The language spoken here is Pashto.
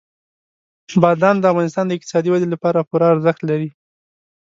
بادام د افغانستان د اقتصادي ودې لپاره پوره ارزښت لري.